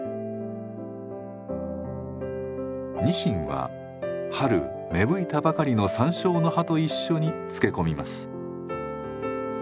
にしんは春芽吹いたばかりの山椒の葉と一緒に漬け込みます。